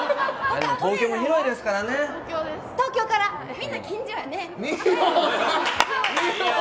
みんな近所やね。